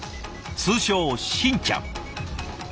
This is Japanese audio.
通称しんちゃん。